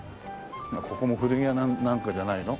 ここも古着屋なんかじゃないの？